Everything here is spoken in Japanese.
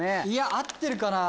合ってるかな？